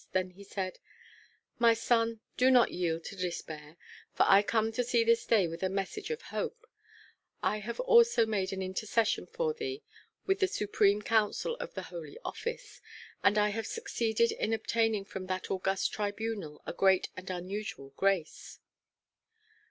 Then he said, "My son, do not yield to despair; for I come to thee this day with a message of hope. I have also made intercession for thee with the Supreme Council of the Holy Office; and I have succeeded in obtaining from that august tribunal a great and unusual grace."